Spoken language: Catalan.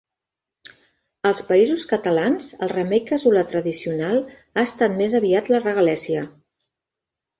Als Països Catalans el remei casolà tradicional ha estat més aviat la regalèssia.